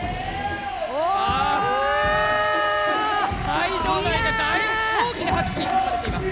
会場内が大きな拍手に包まれています。